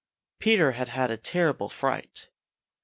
Peter had had a terrible fright.